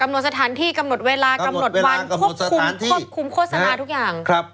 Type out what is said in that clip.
หนวดสถานที่กำหนดเวลากำหนดวันควบคุมควบคุมโฆษณาทุกอย่าง